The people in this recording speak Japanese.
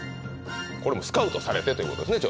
これもうスカウトされてということですよね？